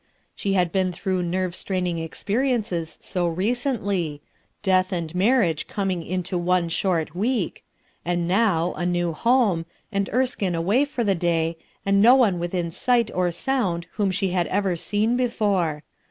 She had been through nerve straining experiences so recently; death and tnarriago coming into one short week; and now, a new borne, and Erskine away for the day, and no one within sight or sound whom she had ever seen before.